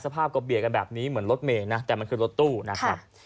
ภาพก็เบียดกันแบบนี้เหมือนรถเมย์นะแต่มันคือรถตู้นะครับ